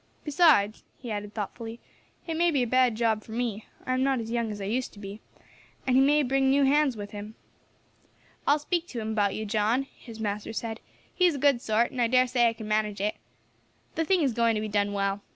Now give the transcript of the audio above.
Besides," he added thoughtfully, "it may be a bad job for me; I am not as young as I used to be, and he may bring new hands with him." "I will speak to him about you, John," his master said; "he is a good sort, and I dare say I can manage it. The thing is going to be done well.